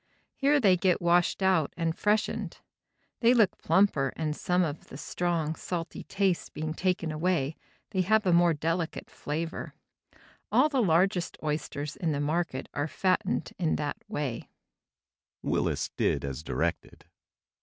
Here they get washed out and freshened. They look plumper and some of the strong, salty taste being taken away, they have a more delicate flavor. All the largest oysters in the market are fattened in that way."